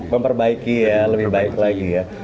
memperbaiki ya lebih baik lagi ya